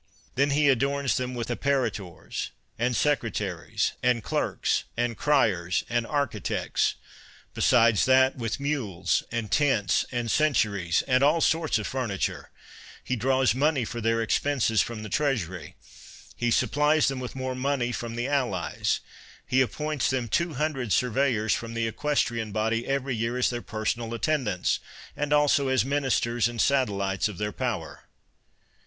Then he adorns them with apparitors, and secretaries, and clerks, and criers, and architects; besides that, with mules, and tents, and centuries, and all sorts of furni ture ; he draws money for their expenses from the treasury; he supplies them with more money from the allies; he appoints them two hundred surveyors from the equestrian body every year as their personal attendants, and also as ministers and satellites of their power.